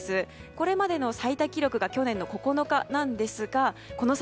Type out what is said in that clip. これまでの最多記録が去年の９日なんですがこの先